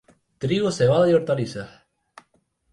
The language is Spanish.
Trigo, cebada y hortalizas.